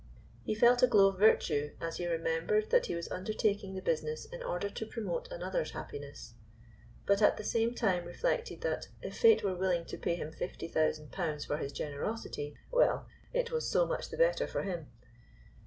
He felt a glow of virtue as he remembered that he was undertaking the business in order to promote another's happiness, but at the same time reflected that, if fate were willing to pay him fifty thousand pounds for his generosity, well, it was so much the better for him.